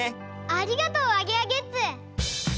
ありがとうアゲアゲッツ！